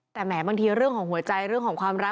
แต่แหมบางทีเรื่องของหัวใจเรื่องของความรัก